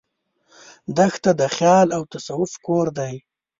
دښته د خیال او تصوف کور دی.